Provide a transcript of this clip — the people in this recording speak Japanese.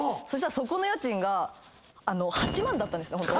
そしたらそこの家賃が８万だったんですね